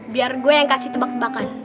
biar gue yang kasih tebak tebakan